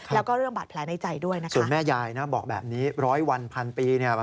แล้วก็เรื่องบัตรแผลในใจด้วยนะครับ